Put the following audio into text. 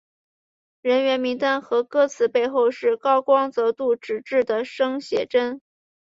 人员名单和歌词背后是高光泽度纸质的生写真。